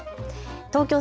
東京